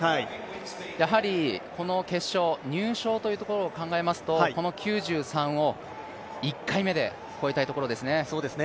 やはりこの決勝、入賞というところを考えますとこの９３を１回目で越えたいところですね。